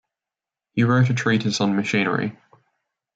He wrote a treatise on machinery.